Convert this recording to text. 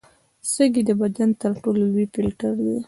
سږي د بدن تر ټولو لوی فلټر دي.